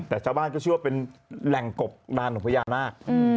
แต่เจ้าบ้านก็ชื่อว่าเป็นแหล่งกบดานของพระยามาก